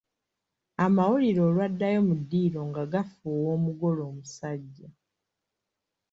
Amawulire olwaddayo mu ddiiro ng'agafuuwa omugole omusajja.